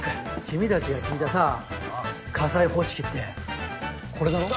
君たちが聞いたさ火災報知器ってこれだろ？